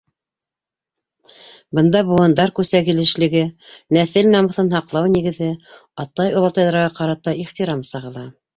Бында быуындар күсәгилешлеге, нәҫел намыҫын һаҡлау нигеҙе, атай-олатайҙарға ҡарата ихтирам сағыла.